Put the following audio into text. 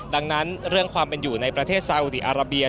ดังนั้นเรื่องความเป็นอยู่ในประเทศซาอุดีอาราเบีย